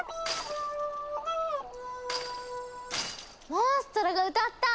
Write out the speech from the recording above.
モンストロが歌った！